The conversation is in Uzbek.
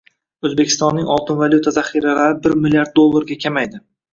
O‘zbekistonning oltin-valyuta zaxiralaribirmlrd dollarga kamaydi